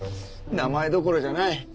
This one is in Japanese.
名前どころじゃない！